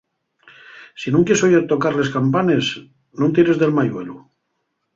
Si nun quies oyer tocar les campanes, nun tires del mayuelu.